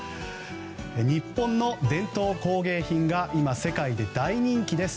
日本の伝統工芸品が今、世界で大人気です。